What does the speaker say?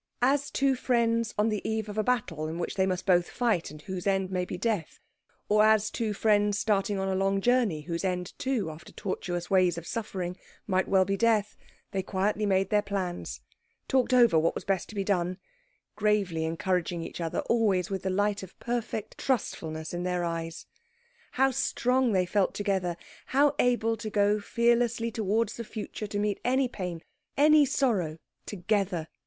As two friends on the eve of a battle in which both must fight and whose end may be death, or as two friends starting on a long journey, whose end too, after tortuous ways of suffering, may well be death, they quietly made their plans, talked over what was best to be done, gravely encouraging each other, always with the light of perfect trustfulness in their eyes. How strong they felt together! How able to go fearlessly towards the future to meet any pain, any sorrow, together!